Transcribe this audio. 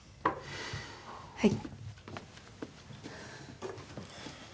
はい。